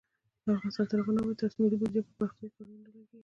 افغانستان تر هغو نه ابادیږي، ترڅو ملي بودیجه پر پراختیايي کارونو ونه لګیږي.